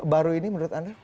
baru ini menurut anda